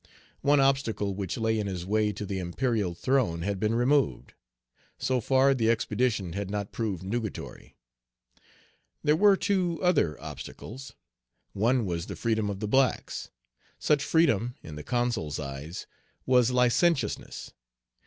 One obstacle which lay in his way to the imperial throne had been removed. So far the expedition had not proved nugatory. There were two other obstacles. One was the freedom of the blacks. Such freedom, in the Consul's eyes, was licentiousness.